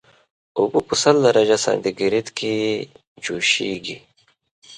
اوبه په سل درجه سانتي ګریډ کې جوشیږي